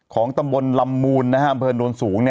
ของตะมนต์ลำมูลนะฮะแผ่นโดนสูง